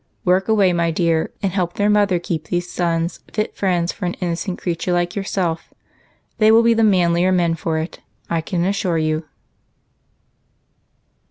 Work away, my dear, and help their mother keep these sons fit friends for an innocent creature like yourself; they M'ill be the manlier men for it, I can assure you."